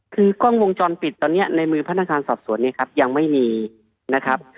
คือกล้องวงจรปิดตอนนี้ในมือพนักงานสอบสวนเนี่ยครับยังไม่มีนะครับ